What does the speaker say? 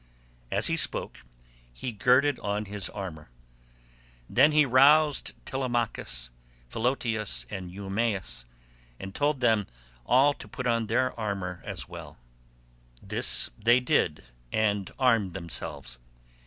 185 As he spoke he girded on his armour. Then he roused Telemachus, Philoetius, and Eumaeus, and told them all to put on their armour also. This they did, and armed themselves.